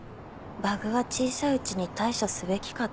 バグは小さいうちに対処すべきかと。